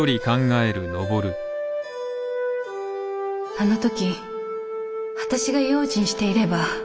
あの時私が用心していれば。